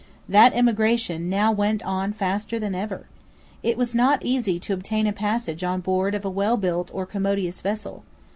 That emigration now went on faster than ever. It was not easy to obtain a passage on board of a well built or commodious vessel.